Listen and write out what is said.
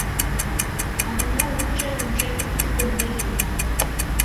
அவனோ ஊற்ற ஊற்றக் குடித்துக் கொண்டேயிருந்தான்.